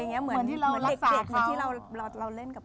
เหมือนเด็กเหมือนที่เราเล่นกับ